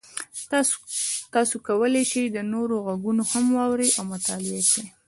تاسو کولی شئ د نورو غږونه هم واورئ او مطالعه کړئ.